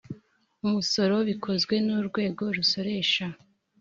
umusoro bikozwe n urwego rusoresha